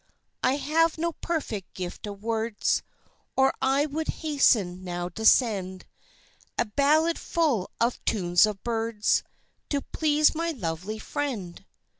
I have no perfect gift of words, Or I would hasten now to send A ballad full of tunes of birds To please my lovely friend.